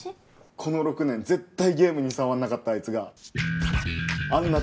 この６年絶対ゲームに触んなかったあいつがあんな